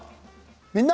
「みんな！